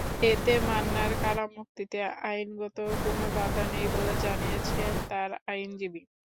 এতে মান্নার কারামুক্তিতে আইনগত কোনো বাধা নেই বলে জানিয়েছেন তাঁর আইনজীবী।